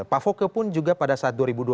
pak fokke pun juga pada saat